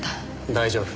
大丈夫。